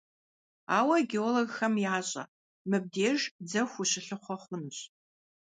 Ауэ геологхэм ящӀэ: мыбдеж дзэху ущылъыхъуэ хъунущ.